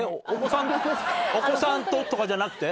お子さんととかじゃなくて？